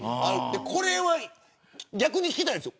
これは逆に聞きたいんです。